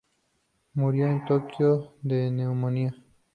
Murió en Tokio de neumonía.